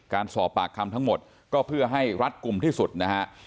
การสอบปากคำทั้งหมดก็เพื่อให้รัดกลุ่มที่สุดนะฮะ